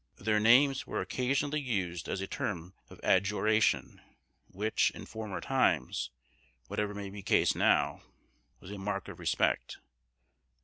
Their names were occasionally used as a term of adjuration, which, in former times, whatever may be case now, was a mark of respect.